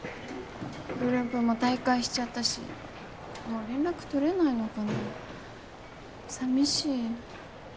グループも退会しちゃったしもう連絡取れないのかなさみしい。